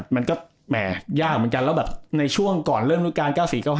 มันก็แหม่ยากเหมือนกันแล้วแบบในช่วงก่อนเริ่มรู้การ๙๔๙๕